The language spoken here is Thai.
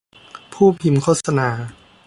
ผู้พิมพ์โฆษณา